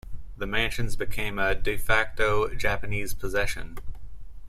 The Mansions became a "de facto" Japanese possession.